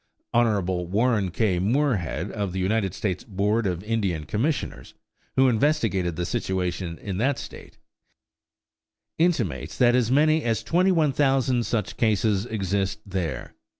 Hon. Warren K. Moorehead, of the United States Board of Indian Commissioners, who investigated the situation in that state, intimates that as many as 21,000 such cases exist there.